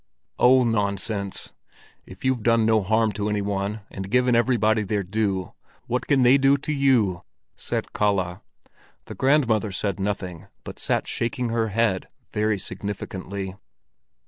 "Oh, nonsense! If you've done no harm to any one, and given everybody their due, what can they do to you?" said Kalle. The grandmother said nothing, but sat shaking her head very significantly.